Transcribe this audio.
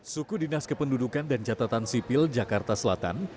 suku dinas kependudukan dan catatan sipil jakarta selatan